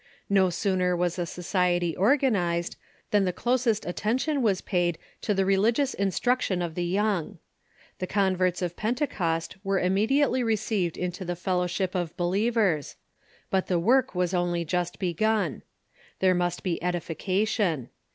No sooner was a society organized than the closest attention was paid to the religious instruc Traimng of ^j ^^£ ^j^ young. The converts of Pentecost were the Young ..•'*.. immediately received into the fellowship of be lievers. But the work was only just begun. There must be edification.